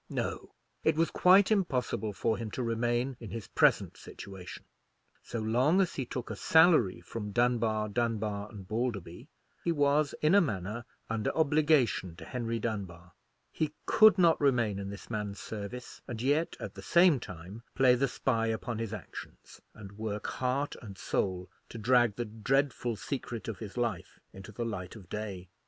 No; it was quite impossible for him to remain in his present situation. So long as he took a salary from Dunbar, Dunbar and Balderby, he was in a manner under obligation to Henry Dunbar. He could not remain in this man's service, and yet at the same time play the spy upon his actions, and work heart and soul to drag the dreadful secret of his life into the light of day.